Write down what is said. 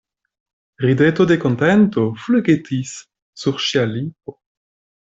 Rideto de kontento flugetis sur ŝia lipo.